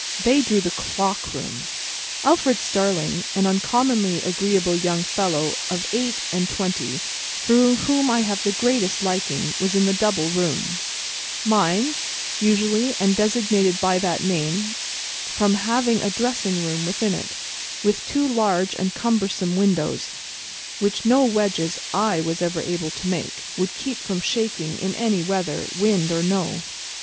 They drew the Clock Room. Alfred Starling, an uncommonly agreeable young fellow of eight and twenty for whom I have the greatest liking, was in the Double Room; mine, usually, and designated by that name from having a dressing room within it, with two large and cumbersome windows, which no wedges I was ever able to make, would keep from shaking, in any weather, wind or no wind.